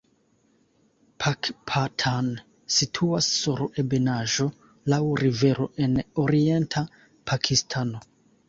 Pakpatan situas sur ebenaĵo laŭ rivero en orienta Pakistano.